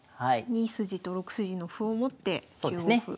２筋と６筋の歩を持って９五歩。